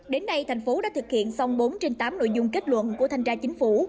đến nay thành phố đã thực hiện xong bốn trên tám nội dung kết luận của thanh tra chính phủ